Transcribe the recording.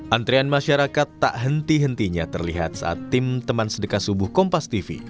antrian masyarakat tak henti hentinya terlihat saat tim teman sedekah subuh kompas tv